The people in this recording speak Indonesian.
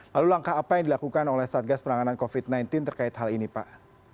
lalu langkah apa yang dilakukan oleh satgas penanganan covid sembilan belas terkait hal ini pak